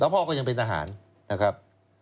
พ่อก็ยังเป็นทหารนะครับ